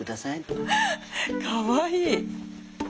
かわいい！